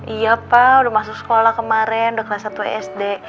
iya pak udah masuk sekolah kemarin udah kelas satu sd